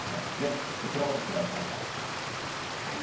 そちらを取材しました。